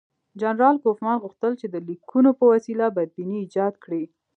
جنرال کوفمان غوښتل چې د لیکونو په وسیله بدبیني ایجاد کړي.